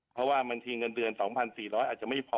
เพราะว่าบัญชีเงินเดือน๒๔๐๐อาจจะไม่พอ